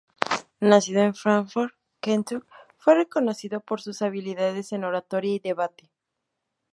Nacido en Frankfort, Kentucky, fue reconocido por sus habilidades en oratoria y debate.